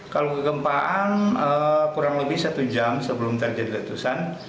kalau kegempaan kurang lebih satu jam sebelum terjadi letusan